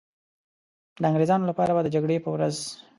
د انګریزانو لپاره به د جګړې په ورځ.